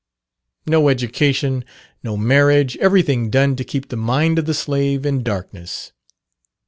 No education, no marriage, everything done to keep the mind of the slave in darkness.